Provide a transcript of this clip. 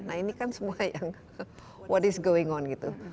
nah ini kan semua yang what is going on gitu